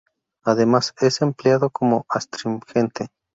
Además, es empleado como astringente.